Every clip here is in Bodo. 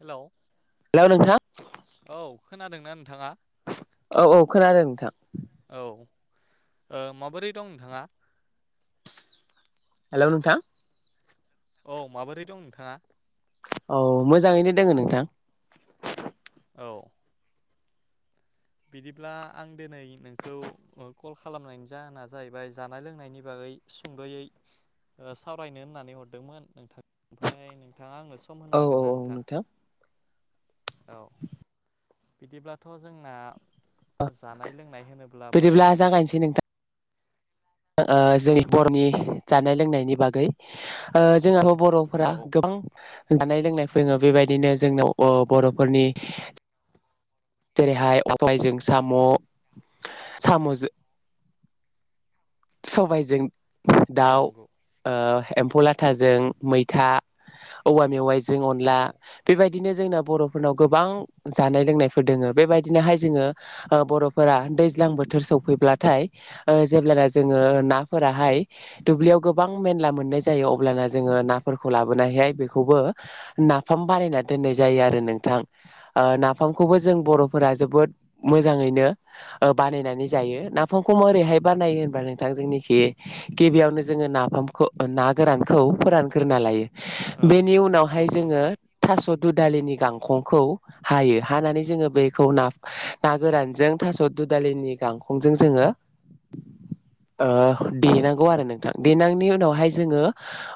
हेल'? हेल' नोंथां? खोनादोंना नोंथाङा? औ औ खोनादों नोंथां। औ ओ माबोरै दं नोंथाङा? हेल' नोंथां। औ माबोरै दं नोंथाङा? औ मोजाङैनो दोङो नोंथां। औ। बिदिब्ला आं दिनै नोंखौ ओ कल खालामनायनि जाहोना जाहैबाय जानाय लोंनायनि बागै सुंद'यै ओ सावरायनो होननानै हरदोंमोन नोंथां ओमफाय नोंथां ङा आंनो सम होनो औ औ हागोन ना औ नोंथां? औ। बिदिब्लाथ' जोंना जानाय लों बिदिब्ला जागायनोसै नोंथां? ओ जेरै बर'नि जानाय लोंनायनि बागै ओ जोंहा औ बर'फोरा गोबां जानाय लोंनाय फोरोङो बेबायदिनो जोंनाव ओ बर'फोरनि जेरैहाय [unintelligible] बायजों साम' साम'जो सबायजों औ दाउ नंगौ ओ एम्फौ लाथाजों मैथा, औवा मेवाइ जों अनला औ बेबायदिनो जोंना बर'फोरनाव गोबां जानाय लोंनाय फोर दोङो बेबायदिनोहाय जोङो बर'फोरा दैज्लां बोथोर सफैब्लाथाय जेब्लाना जोङो नाफोराहाय दुब्लियाव गोबां मेनला मोननाय जायो अब्लाना जोङो नाफोरखौ लाबोनानैहाय बेखौबो नाफाम बानायना दोननाय जायो आरो नोंथां ओ नाफाम खौबो जों बर'फोरा जोबोद मोजाङैनो बानायनानै जायो नाफामखौ मोरैहाय बानायो होनबा नोंथां जोंनिखि गिबियावनो जोङो नाफामखौ ना गोरानखौ फोरानग्रोना लायो औ बेनि उनावहाय नंगौ जोङो नोंथां थास' दु दालिनि गांखंखौ हायो हानानै जोङो बेखौ ना ना गोरानजों थासद दुदालिनि गांखंजों जोङो देनांगौ आरो नोंथां देनांनायनि उनावहाय जोङो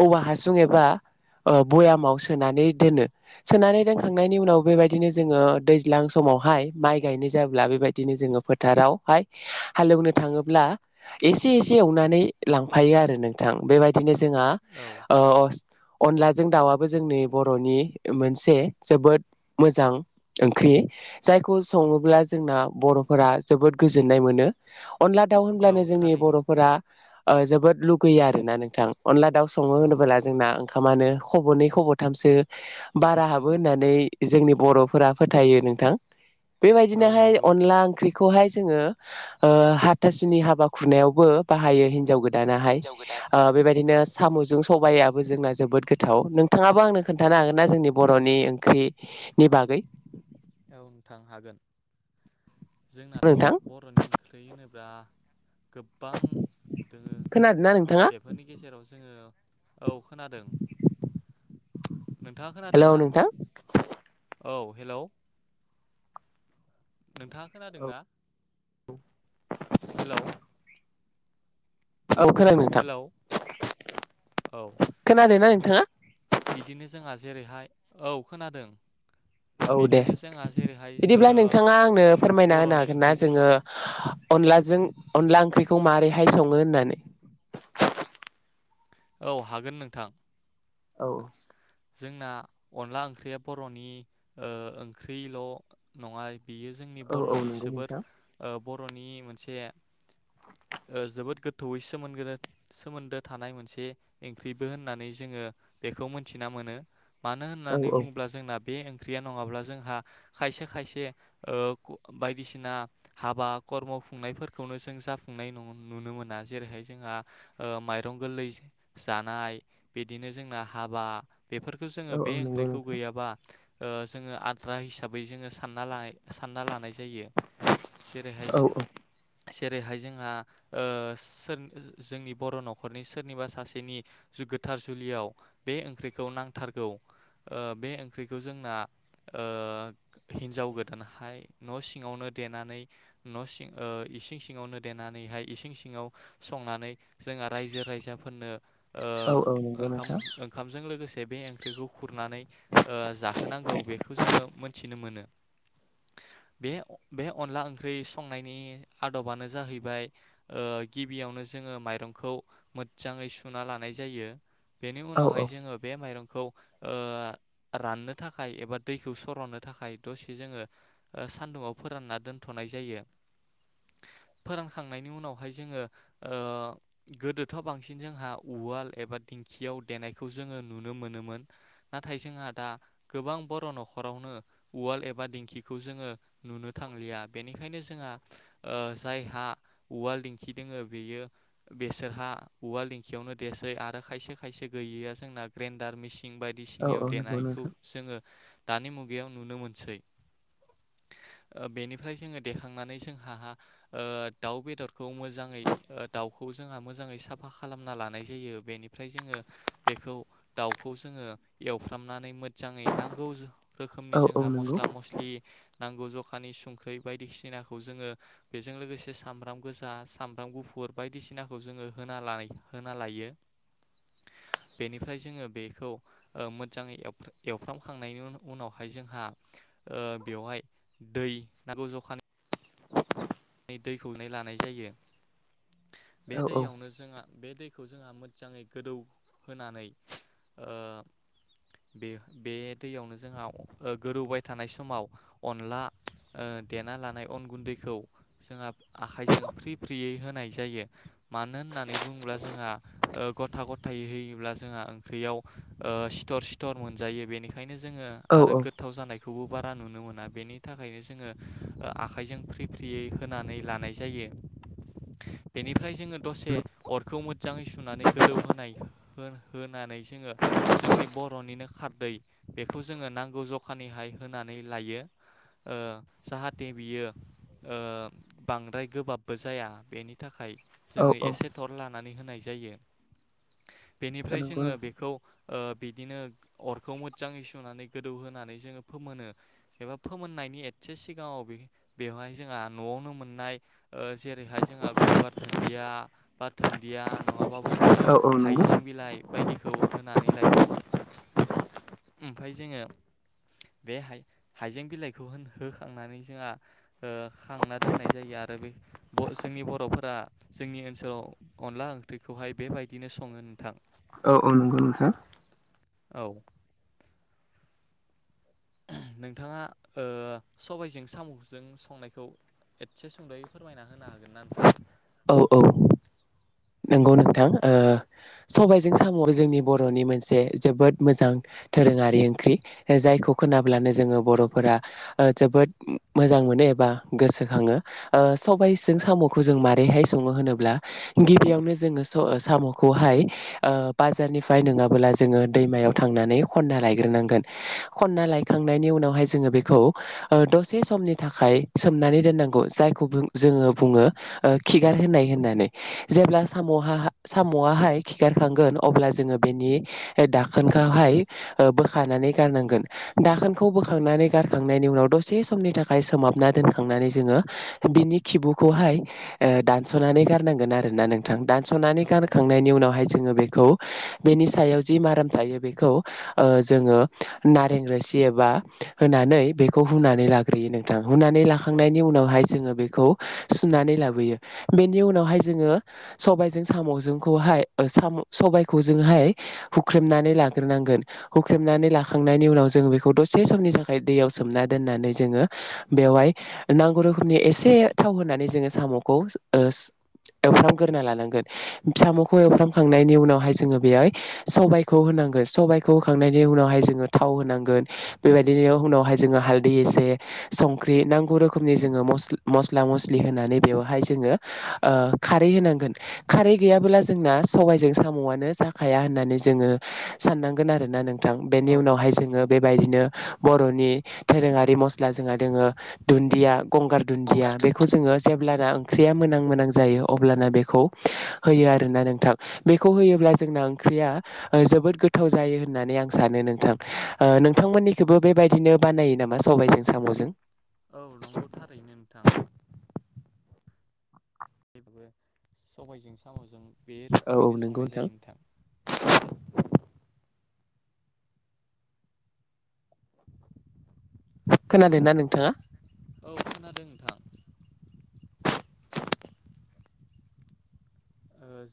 औवा हासुं एबा बयामाव सोनानै दोनो सोनानै दोनखांनायनि उनाव बेबायदिनो ज जोङो दैज्लां समावहाय माइ गायनाय जाब्ला बेबायनो जोङो फोथारावहाय हालवनो थाङोब्ला एसे एसे एवनानै लांफायो आरो नोंथां बेबायदिनो जों जोंहा औ अ अ अनलाजों दाउआबो जोंनि बर'नि मोनसे जोबोद मोजां ओंख्रि जायखौ सङोब्ला जोंना बर'फोरा जोबोद गोजोननाय मोनो अनला दाउ औ होनब्लानो जोंनि थारैनो बर'फोरा जोबोद लुगैयो आरो ना नोंथां अनला दाउ सङो औ होनबोला नंगौ जोंना ओंखामानो खब'नै खब'थामसो बारा हाबो होननानै जोंनि बर' फुरा फोथायो नोंथां औ बेबायदिनोहाय नंगौ नोंथां अनला ओंख्रिखौहाय जोङो ओ हाथासुनि हाबा खुरनायावबो बाहायो हिनजाव गोदान दानाहाय हिनजाव गोदान बेबायदिनो औ साम'जों सबाइाबो जोंना जोबोद गोथ थाव नोंथाङाबो आंनो खोन्थानो हागोन ना जोंनि बर'नि ओंख्रिनि औ थां हागोन जोंनाथ' नोंथां बर'नि ओंख्रैय होनो बा गोबां दोङो खोनादोंना नोंथाङा बेफोरनि गेजेराव जोङो औ खोनादों। नोंथाङा खोनादों हेलौ ना नोंथां औ हेलौ नोंथाङा खोनादों ना हेलौ औ खोनादों नोंथां हेलौ औ खोनादों ना नोंथाङा बिदिनो जोंहा जेरैहाय औ खोनादों औ दे बिदिनो जोंहा जेरैहाय ओ बिदिब्ला नोंथाङा आंनो फोरमायना होनो बर'नि हागोन ना ओंख्रिजों जोङो अनलाजों अनला ओंख्रिखौ माबारैहाय सङो होननानै औ हागोन नोंथां। औ जोंना अनला ओंख्रिया बर'नि ओ ओंख्रिल' नङा बियो जोंनि औ औ बर'नि नंगौ जोबोर नोंथां बर'नि मोनसे जोबोद गोथौयै सोमोनगो सोमोन्दो थानाय मोनसे ओंख्रिबो होननानै जोङो बेखौ मोन थिना मोनो। मानो औ होननानै औ बुङोब्ला जोंना बे ओंख्रिया नङाब्ला जोंहा खायसे खायसे बायदिसिना हाबा खर्म खुंनायफोरखौनो जों जाफुंनाय नुनो मोना। जेरैहाय जोंहा माइरं गोरलै जानाय, बिदिनो जोंना हाबा बेफोरखौ औ जोङो औ बे नंगौ ओंख्रिखौ नोंथां गैयाबा ओ जोङो आद्रा हिसाबै जोङो सानना लायो। सानना लानाय जायो जेरैहाय औ जों औ जेरैहाय जोंहा ओ सोर जोंनि बर' न'खरनि सोरनिबा सासेनि गोथार जुलियाव बे ओंख्रि खौ नांथारगौ ओ बे ओंख्रिखौ जोंना ओ हिन्जाव गोदानहाय न' सिङावनो देनानै न' सिं ओ इसिं सिङावनो देनानैहाय इसिं सिङाव संनानै जोंहा रायजो राजाफोरनो औ औ नंगौ नोंथां। से बे ओंख्रिखौ खुरनानै ओ जाहोनांगौ बेखौ जोङो मोनथिनो मोनो बे बे अनला ओंख्रि संनायनि आदबानो जाहैबाय ओ गिबियावनो जोङो माइरंखौ मोजाङै सुना लानाय जायो। बेनि औ उनावहाय जोङो माइरंखौ ओ राननो थाखाय एबा दैखौ सर'नो थाखाय दसे जोङो सानदुङाव फोरानना दोनथनाय जायो फोरानखांनायनि उनावहाय जोङो ओ गोदोथ' जोंहा बांसिन उवाल एबि दिंखियाव देनायखौ जोङो नुनो मोनोमोन नाथाय जोंहा दा गोबां बर' न'खरावनो उवाल एबा दिंखिखौ जोङो नुनो थांलिया बेनिखायनो जोंहा ओ जायहा उवाल दिंखि दोङो बेयो बेसोरहा उवाल दिंखियावनो देसै आरो खायसे खायसे गैयैया जोंना ग्राइनदार मिसि सिन औ बायदिसिनायाव औ नंगौ देनायखौ नोंथां जोङो दानि मुगायाव नुनो मोनसै ओ बेनिफ्राय जोङो देखांनानै जोंहा ओ दाउ बेदरखौ मोजाङै दाउखौ जोंहा मोजाङै साफा खालामना लानाय जायो बेनिफ्राय जोङो बेखौ दाउखौ जोङो एवफ्रामनानै मोजाङै नांगौ रोखोमनि औ औ जोंहा नंगौ मस्ला-मस्लि नांगौ जखानि संख्रै बायदिसिनाखौ जोङो बेजों लोगोसे सामब्राम गोजा, सामब्राम गुफुर बायदिसिनाखौ जोङो होना लायो होना लायो बेनि ओमफ्राय जोङो बेखौ ओ मोजाङै एव एवफ्रामखांनायनि उनावहाय जोंहा ओ बेवहाय दै नांगौ जखानि दैखौ लानाय जायो बे औ दैयावनो जोंहा बे दैखौ जोंहा मोजाङै गोदौहोनानै ओ बे बे दैयावनो जोंहा ओ गोदौबाय थानाय समाव अनला ओ देना लानाय अन गुन्दैखौ जोंहा आखाइजों फ्रि फ्रियै होनाय जायो मानो होननानै बुङोब्ला जोंहा ओ गथा गथायै होयोब्ला जोंहा ओंख्रियाव सिथर सिथर मोनजायो। बेनिखायनो नो जोङो औ आरो गोथाव जानाय खौबो बारा नुनो मोना बेनि थाखायनो जोङो आखाइजों फ्रि फ्रियै होनानै लानाय जायो बेनिफ्राय जोङो दसे अरखौ मोजाङै सुनानै गोदौ होनाय होनानै जोङो जोंनि बर'निनो खारदै बेखौ जोङो नांगौ जखानिहाय होनानै लायो ओ जाहाथे बियो ओ बांद्राय गोबाबबो जाया बेनि थाखाय औ जोङो एसे औ थर लानानै होनाय जायो बेनिफ्राय नंगौ जोङो नोंथां बेखौ ओ बिदिनो अरखौ मोजाङै सुनानै गोदौ होनोनानै जोङो फोमोनो एबा फोमोननायनि एसे सिगाङाव बेवहाय जोंहा न'आवनो मोननाय ओ जेरैहाय जोंहा गंगार दधुन्दिया बा दुन्दिया नङाबाबो जोङो औ औ नंगौ हाइजें बिलाइ बायदिखौ होनानै लायो ओमफ्राय जोङो बे हाइ हाइजें बिलाइखौ हो होखांनानै जोंहा ओ खांना दोननाय जायो आरो बे जोंनि ब बर'फोरा जोंनि ओनसोलाव अनला ओंख्रिखौहाय बेबायदिनो सङो नोंथां। औ औ नंगौ नोंथां। औ। नोंथाङा ओ सबायजों साम'जों संनायखौ एदसे सुंद'यै फोरमायना होनो हागोन ना नोंथां? औ औ। नंगौ नोंथां ओ सबायजों साम' जोंनि बर'नि मोनसे जोबोद मोजां दोरोङारि ओंख्रि जायखौ खोनाब्लानो जोङो बर'फोरा ओ जोबोद मोजां मोनो एबा गोसोखाङो ओ सबाइजों औ सामखौ जों मान रैहाय सङो होनोब्ला गिबियावनो जोङो साम'खौहाय ओ बाजारनिफ्राय नोङाबोला जोङो दैमायाव थांनानै खन्ना लायग्रोनांगोन खनना लायखांनायनि उनावहाय जोङो बेखौ ओ दसे समनि थाखाय सोमनानै दोननांगौ जायखौ जोङो बु बुङो खिगार होनाय होननानै जेब्ला सामहा साम'आहाय खिगारखांगोन अब्ला जोङो बेनि दाखोनखौहाय ओ बोखानानै गारनांगोन दाखोनखौ बोखांनानै गारखांनायनि उनाव दसे समनि थाखाय सोमाबना दोनखांनानै जोङो बिनि खिबुखौहाय ओ दानस'नानै गारनांगोन आरोना नोंथां दानस' औ नंगौ गारखांनायनि थारैनो उनावहाय जोङो बेखौ बेनि सायाव जि माराम थायो बेखौ जोङो नारें रोसि एबा होनानै बेखौ हुनानै लाग्रोयो नोंथां हुनानै औ लाखांनायनि उनावहाय जोङो बेखौ नानै ला बेनि उनावह ज स स जोंखौहाय साम सबायखौ जोंहाय हुख्रेमनानै लाग्रोनांगोन हुख्रेमनानै लाखांनायनि उनाव जोंो बेखौ दसे समनि थाखाय दैयाव सोमना दोननानै जोङो बेवहाय नांगौ रोखोमनि एसे थाव होनानै जोङो सामखौ एवफ्रामग्रोना लानांगोन साम'खौ एवफ्रांखांनायनि उनावहाय जोङो बेवहाय सबायखौ होनांगोन सबायखौ होखांनायनि उनावहाय जोङो थाव होनांगोन बेबायदिनो उनावहाय जोङो हालदै एसे संख्रि नांगौ रोखोमनि जोङो मस्ला मस्लि होनानै बेवहाय जोङो खारै होनांगोन ख गैयाबोला जोंना सबायजों सामआनो जाखाया होननानै जोङो साननांगोन आरोोना नों औ बेनि उनावहाय थारैनो जोङो बेबायदिनो बरनि दोरोङारि मस्ला जोंहा दोङो दुन्दिया गंगार दुन्दिया बेखौ जोङो जे अब्लाना ओंख्रिया मोनोनां मोनोनां जायो अब्लाना बेखौ होयो आरोना नोंथां बेखौ होयोब्ला जोंना ओंख्रिया जोबोद गोथाव जायो होननानै आं सानो नोंथां औ नोंथांमोननिखौबो बेबायदि बिदिनो बानायो नामा सबायजों साम'जों औ नंगौ थारैनो नोंथां जबाबो सबायजों सामजों बे औ औ रोखोमैनो नंगौ संनाय जायो नोंथां खोनादों ना नोंथाङा औ खोनादों नोंथां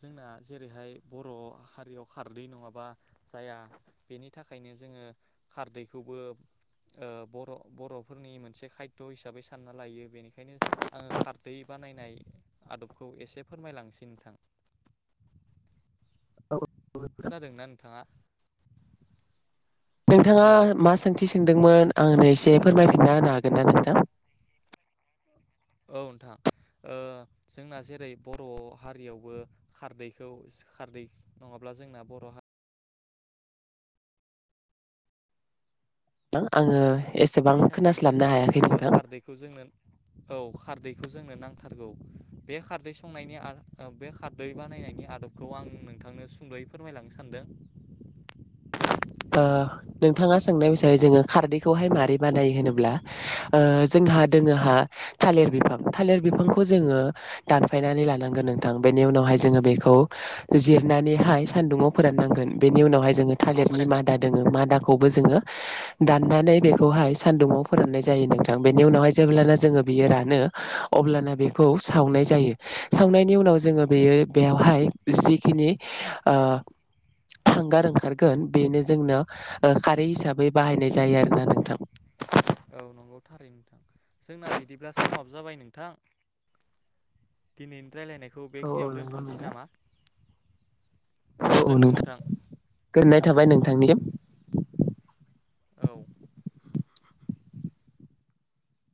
जोंना जेरैहाय बर' हारियाव खारदै नङाबा जाया बेनि थाखायनो जोङो खारदैखौबो बर बर'फोरनि मोनसे खायद हिसाबै सानना लायो बेनिखायनो आङो खारदै बानायनाय आदबखौ एसे फोरमायलांसिन थां औ औ खोनादोंना नोंथाङा नोंथाङा हेलौ मा सोंथि सोंदोंमोन औ आंनो एसे फोरमायफिनना होनो बिथ गथा [unintelligible] औ नोंथां ओ जोंना जेरै बर' हारियावबो खारदैखौ खारदै नङाब्ला जोंना बर' हारि आङो एसेबां हारिनि थाखायनो खोनास्लाबनो हायाखै ओ नोंथां खारदैखौ जोंनो औ खारदैखौ जोंनो नांथारगौ बे खारदै संनायनि बे खारदै बानायनायनि आदबखौ आं नोंथांनो सुंद'यै फोरमायलांनो सानदों ओ नोंथाङा सोंनाय हिसाबै जोङो खारदै बेखौहाय औ माबोरै बानायो होनोब्ला जोंहा दोङोहा थालिर बिफां थालिर बिफांखौ जोङो दानफायनानै लानांगोन नोंथां बेनि उनावहाय जोङो बेखौ जिरनानैहाय सान्दुङाव फोराननांगोन बेनि उनावहाय जोङो सान्दुंआव थालिरनि फोरानना मा मादा दं मादाखौबो जोङो दनानै बेखौहाय सान्दुंङाव फोराननाय जायो नोंथां बेनि उनावहाय जेब्लाना जोङो बेयो रानो अब्लाना बेखौ सावनाय जायो सावनायनि उनाव जोङो बेयो बेयावहाय जिखिनि ओ हांगार ओंखारगोन बे जोंनो खारै हिसाबै बाहायनाय जायो आरोना नोंथां औ नंगौ थारै नोंथां जोंना बिदिब्ला समाबो जाबाय नोंथां दिनै रायलायनायखौ औ औ बेखिनियाव नंगौ दोनथ'नोसै नोंथां। नामा औ औ नोंथां गोजोनथोंथां गोजोननाय थाबाय नोंथांनि औ